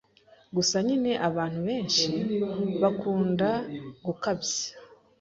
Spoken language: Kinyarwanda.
Gusa nyine abantu benshi bakunda gukabya